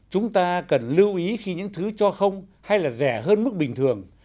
chúng ta cần lưu ý khi những thứ cho không hay là rẻ hơn mức bình thường